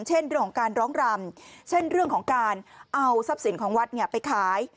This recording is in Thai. เช่นเรื่องของการร้องรำเช่นเรื่องของการเอาทรัพย์สินของวัดไปขาย